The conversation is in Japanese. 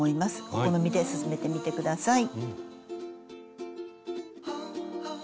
お好みで進めてみてください。